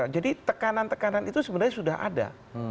jadi tekanan tekanan itu sebenarnya sudah ada